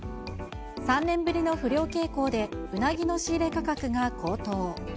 ３年ぶりの不漁傾向で、うなぎの仕入れ価格が高騰。